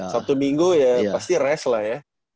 sabtu minggu ya pasti rish lah ya